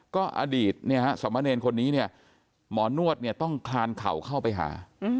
ก็อดีตสมเนรคนนี้เนี่ยหมอนวดเนี่ยต้องคลานเข่าเข้าไปหา